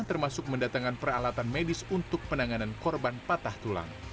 termasuk mendatangkan peralatan medis untuk penanganan korban patah tulang